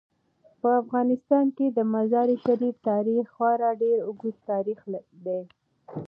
په افغانستان کې د مزارشریف تاریخ خورا ډیر اوږد تاریخ دی.